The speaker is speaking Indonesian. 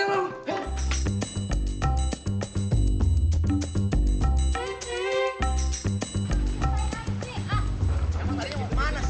emang tadi mau kemana sih